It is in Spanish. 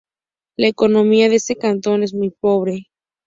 La economía de este cantón es muy pobre.